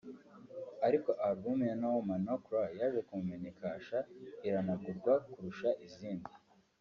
ariko album ye ‘No woman no cry ‘ yaje kumumenyekasha iranagurwa kurusha izindi